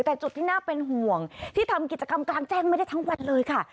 แต่จุดที่น่าเป็นห่วงที่ทำกิจกรรมกลางแจ้งไม่ได้ทั้งวันเลยค่ะ